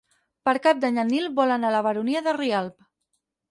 Per Cap d'Any en Nil vol anar a la Baronia de Rialb.